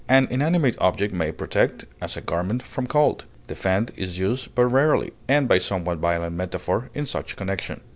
An inanimate object may protect, as a garment from cold; defend is used but rarely, and by somewhat violent metaphor, in such connection.